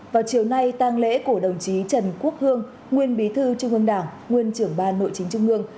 vào chiều nay tăng lễ của đồng chí trần quốc hương nguyên bí thư trung ương đảng nguyên trưởng ban nội chính trung ương